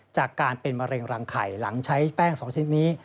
จากการเป็นมะเร็งรังไข่หลังใช้แป้ง๒ชนิดนี้